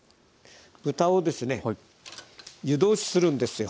豚をですね湯通しするんですよ。